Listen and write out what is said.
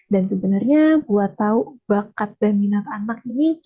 dan sebenarnya buat tahu bakat dan minat anak ini